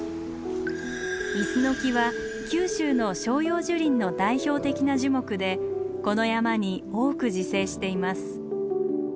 イスノキは九州の照葉樹林の代表的な樹木でこの山に多く自生しています。